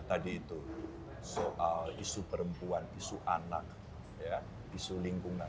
tadi itu soal isu perempuan isu anak isu lingkungan